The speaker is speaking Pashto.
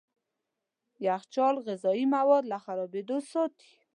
يخچال غذايي مواد له خرابېدو ساتي.